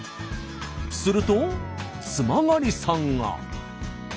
すると津曲さんが。